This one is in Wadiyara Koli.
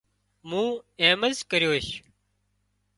مُون ايمز ڪريوش